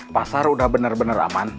pasar udah bener bener aman